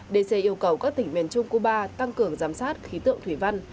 dc yêu cầu các tỉnh miền trung cuba tăng cường giám sát khí tượng thủy văn